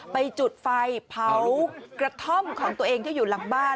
ไปจุดไฟเผากระท่อมของตัวเองที่อยู่หลังบ้าน